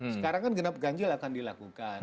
sekarang kan genap ganjil akan dilakukan